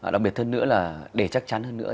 đặc biệt hơn nữa là để chắc chắn hơn nữa